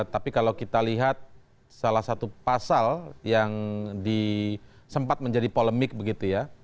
tapi kalau kita lihat salah satu pasal yang sempat menjadi polemik begitu ya